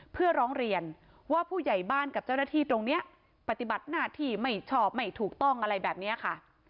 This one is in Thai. เพื่อร้องเรียนว่าผู้ใหญ่บ้านกับเจ้าหน้าที่ตรงนี้ปฏิบัติหน้าที่ไม่ชอบไม่ถูกต้องอะไรแบบนี้ค่ะ